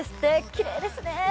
きれいですね。